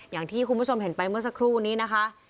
อย่างที่คุณผู้ชมเห็นไปเมื่อสักครู่นี้นะคะ